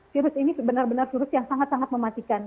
virus ini benar benar virus yang sangat sangat mematikan